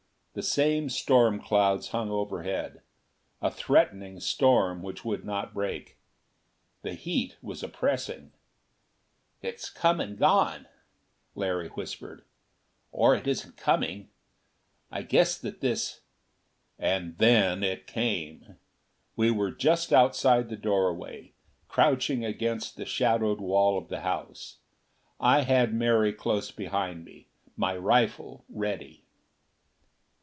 The same storm clouds hung overhead a threatening storm which would not break. The heat was oppressing. "It's come and gone," Larry whispered; "or it isn't coming. I guess that this " And then it came! We were just outside the doorway, crouching against the shadowed wall of the house. I had Mary close behind me, my rifle ready.